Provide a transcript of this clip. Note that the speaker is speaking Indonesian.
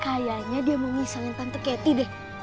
kayaknya dia mau ngisahin tante ketty deh